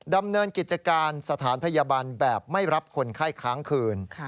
ดำเนินกิจการสถานพยาบาลแบบไม่รับคนไข้ค้างคืน